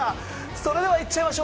それでは行っちゃいますよ。